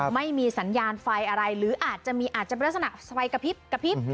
ไม่มีสัญญาณไฟอะไรหรืออาจจะมีอาจจะมีลักษณะสไฟกระพริบ